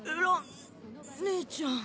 蘭姉ちゃん。